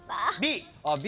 Ｂ。